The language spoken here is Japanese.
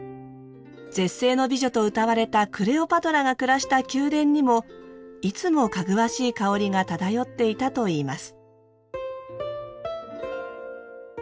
絶世の美女とうたわれたクレオパトラが暮らした宮殿にもいつもかぐわしい香りが漂っていたといいます。